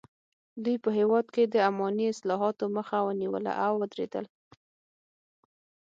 دوی په هېواد کې د اماني اصلاحاتو مخه ونیوله او ودریدل.